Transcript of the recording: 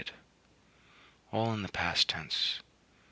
All in the past tense.